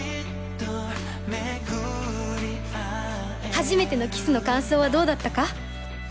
初めてのキスの感想はどうだったか？